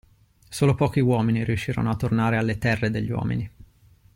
Solo pochi uomini riuscirono a tornare alle terre degli uomini.